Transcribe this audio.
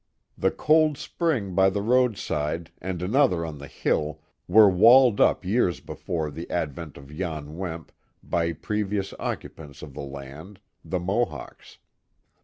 The cold spring by the roadside and another on the hill were walled up years before the advent of Jan Wemp by previous occupants of the land, — the Mohawks.